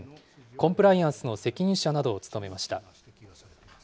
コンプライアンスの責任者などを務めました。